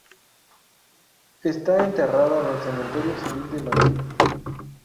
Está enterrada en el Cementerio Civil de Madrid.